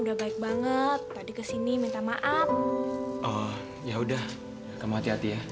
ya bisa berhenti aja bisa dong